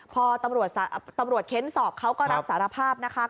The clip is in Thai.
พอตำรวจเค้นสอบเขาก็รับสารภาพนะคะ